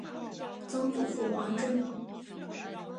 曾祖父王珍。